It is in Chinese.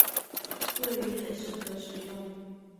幼鱼很适合食用。